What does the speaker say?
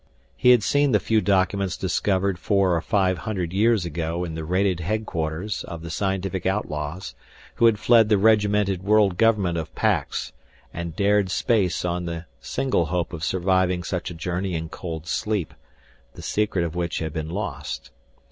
He had seen the few documents discovered four or five hundred years ago in the raided headquarters of the scientific outlaws who had fled the regimented world government of Pax and dared space on the single hope of surviving such a journey in cold sleep, the secret of which had been lost.